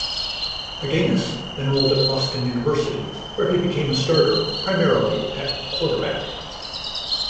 Aggainis enrolled at Boston University, where he became a starter, primarily at quarterback.